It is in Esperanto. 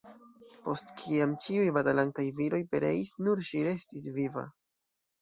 Post kiam ĉiuj batalantaj viroj pereis, nur ŝi restis viva.